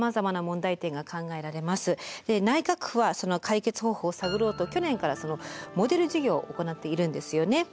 内閣府はその解決方法を探ろうと去年からモデル事業を行っているんですよね。